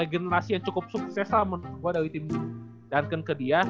generasi yang cukup sukses lah menurut gue dari tim datang ke dia